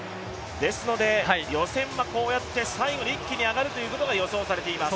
ですので、予選はこうやって、最後に一気に上がるということが予想されています。